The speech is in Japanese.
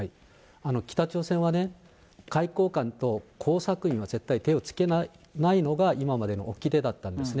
北朝鮮はね、外交官と工作員には絶対手をつけないのが今までのおきてだったんですね。